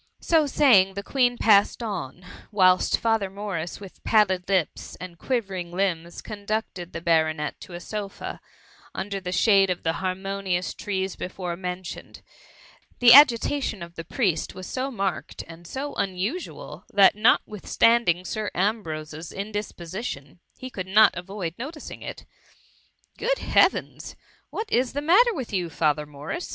^ So saying, the Queen passed on, whilst Father Morris,^ with pallid lips and quivering limbs, conducted the Baronet to a sofa, under THE ICUMMY. 261 the shade of the harmonious trees before men tioned. The agitation of the priest was so marked and so unusual, that notwithstanding Sir Ambrose's indisposition, he could not avoid noticing it. Good Heavens ! what i& the matter with you, Father Morris?'